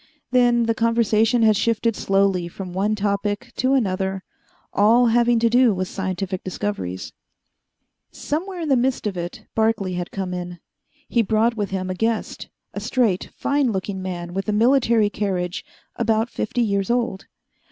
Then the conversation had shifted slowly from one topic to another, all having to do with scientific discoveries. Somewhere in the midst of it, Barclay had come in. He brought with him a guest a straight, fine looking man with a military carriage, about fifty years old.